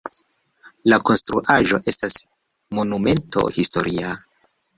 La konstruaĵo estas monumento historia.